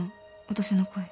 私の声